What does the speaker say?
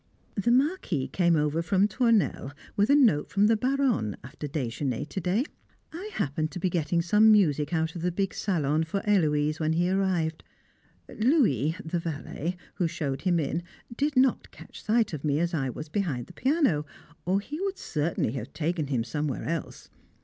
5.30 p.m. The Marquis came over from Tournelle with a note from the Baronne after déjeûner to day. I happened to be getting some music out of the big salon for Héloise when he arrived. Louis, the valet, who showed him in, did not catch sight of me as I was behind the piano, or he would certainly have taken him somewhere else.